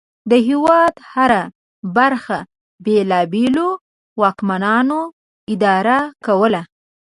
د هېواد هره برخه بېلابېلو واکمنانو اداره کوله.